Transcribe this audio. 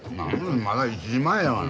まだ１時前やがな。